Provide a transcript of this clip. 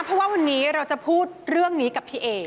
เพราะว่าวันนี้เราจะพูดเรื่องนี้กับพี่เอ